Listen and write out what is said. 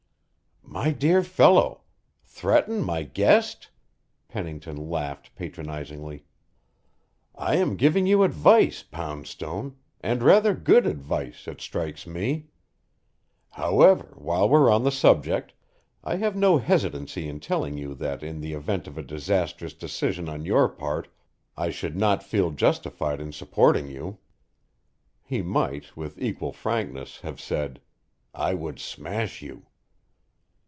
"My dear fellow! Threaten my guest!" Pennington laughed patronizingly. "I am giving you advice, Poundstone and rather good advice, it strikes me. However, while we're on the subject, I have no hesitancy in telling you that in the event of a disastrous decision on your part, I should not feel justified in supporting you." He might, with equal frankness, have said: "I would smash you."